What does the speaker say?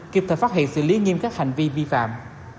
kịp thời phát hiện xử lý nghiêm các hành vi vi phạm